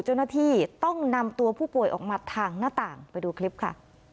เจ้าหน้าที่ต้องนำตัวผู้ป่วยออกมาทางหน้าต่างไปดูคลิปค่ะ